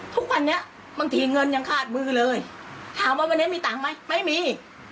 ทุกวันนี้บางทีเงินยังขาดมือเลยถามว่าวันนี้มีตังค์ไหมไม่มี